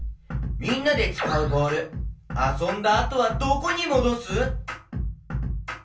みんなでつかうボールあそんだあとはどこにもどす？